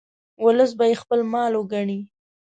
ولس به یې خپل مال وګڼي.